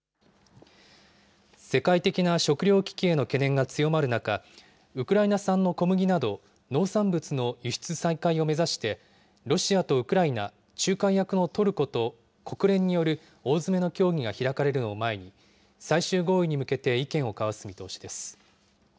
世界的な食料危機への懸念が強まる中、ウクライナ産の小麦など、農産物の輸出再開を目指して、ロシアとウクライナ、仲介役のトルコと国連による大詰めの協議が開かれるのを前に、最終合意に向けて意見を交わす見通しです。